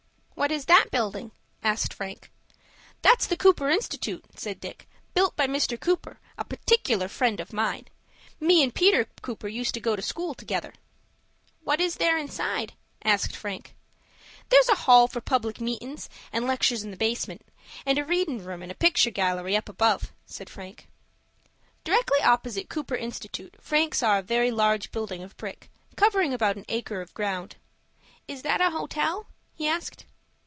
"What is that building?" asked Frank. "That's the Cooper Institute," said Dick; "built by Mr. Cooper, a particular friend of mine. Me and Peter Cooper used to go to school together." "What is there inside?" asked Frank. "There's a hall for public meetin's and lectures in the basement, and a readin' room and a picture gallery up above," said Dick. Directly opposite Cooper Institute, Frank saw a very large building of brick, covering about an acre of ground. "Is that a hotel?" he asked.